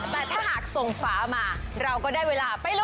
แต่ถ้าหากส่งฝามาเราก็ได้เวลาไปลุ้น